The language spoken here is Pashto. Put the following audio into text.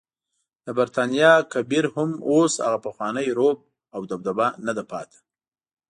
د برټانیا کبیر هم اوس هغه پخوانی رعب او دبدبه نده پاتې.